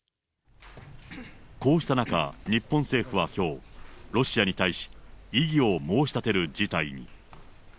こうした中、日本政府はきょう、ロシアに対し異議を申し立てる事態に。